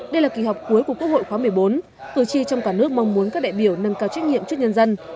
đây là kỳ họp cuối của quốc hội khóa một mươi bốn cử tri trong cả nước mong muốn các đại biểu nâng cao trách nhiệm trước nhân dân